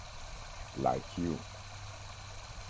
Like you.